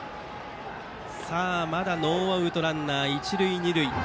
まだノーアウトランナー、一塁二塁。